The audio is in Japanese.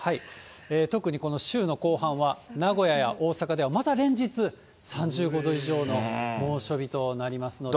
特にこの週の後半は、名古屋や大阪ではまた連日、３５度以上の猛暑日となりますので。